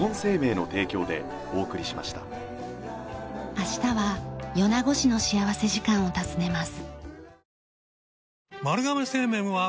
明日は米子市の幸福時間を訪ねます。